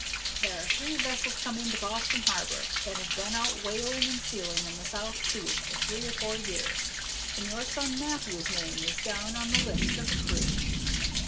There are three vessels come into Boston harbor that have been out whaling and sealing in the South Seas for three or four years, and your son Matthew's name is down on the list of the crew.'